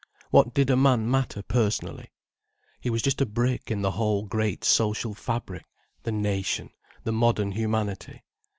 What did a man matter personally? He was just a brick in the whole great social fabric, the nation, the modern humanity.